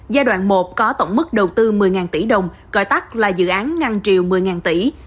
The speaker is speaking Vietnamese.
giai đoạn một có tổng mức đầu tư một mươi tỷ đồng gọi tắt là dự án ngăn triều một mươi tỷ